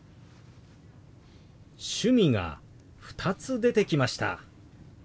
「趣味」が２つ出てきました。